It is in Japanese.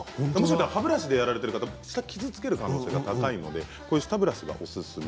歯ブラシでやられてる方は舌を傷つける可能性が高いので舌ブラシがおすすめ。